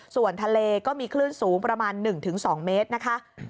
ส่วนทะเลก็มีคลื่นสูงประมาณ๑๒เมตรนะคะ